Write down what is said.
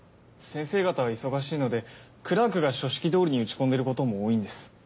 先生方は忙しいのでクラークが書式どおりに打ち込んでることも多いんです。